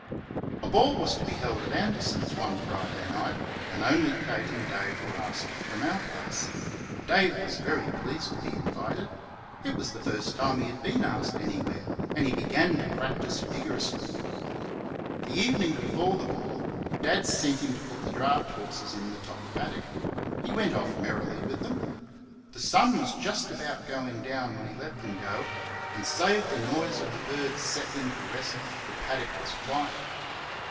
A ball was to be held at Anderson's one Friday night, and only Kate and Dave were asked from our place. Dave was very pleased to be invited; it was the first time he had been asked anywhere, and he began to practise vigorously. The evening before the ball Dad sent him to put the draught horses in the top paddock. He went off merrily with them. The sun was just going down when he let them go, and save the noise of the birds settling to rest the paddock was quiet.